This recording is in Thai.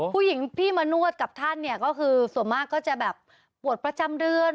ผู้หญิงที่มานวดกับท่านเนี่ยก็คือส่วนมากก็จะแบบปวดประจำเดือน